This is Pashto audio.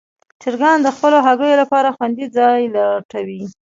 چرګان د خپلو هګیو لپاره خوندي ځای لټوي.